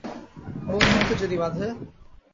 বন্ধুত্বে যদি বাধে?